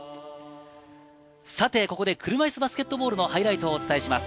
さて、ここで車いすバスケットボールのハイライトをお伝えします。